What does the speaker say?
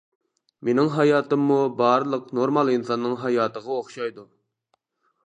مېنىڭ ھاياتىممۇ بارلىق نورمال ئىنساننىڭ ھاياتىغا ئوخشايدۇ.